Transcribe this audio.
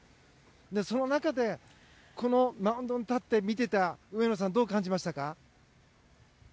その中で、マウンドに立って見ていた上野さんどう感じましたか？